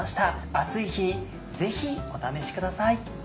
暑い日にぜひお試しください。